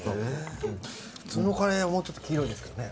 普通のカレーはもうちょっと黄色いですけどね。